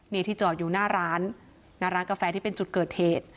นี่ที่จอดอยู่หน้าร้านกาแฟที่เป็นจุดเกิดเทศ